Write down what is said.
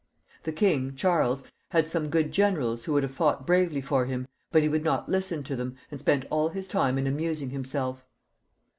The king, Charles, had some good generals who would have fought bravely for him, but he would not listen to them, and spent all his time in amus ing himself.